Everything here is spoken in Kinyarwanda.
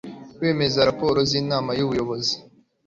Kwemeza raporo z Inama y Ubuyobozi